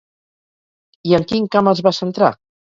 I en quin camp es va centrar?